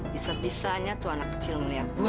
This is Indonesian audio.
bisa bisanya tuh anak kecil ngeliat gue